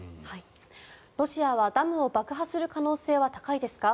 ロシアはダムを爆破する可能性は高いですか？